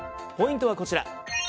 ポイントはこちら。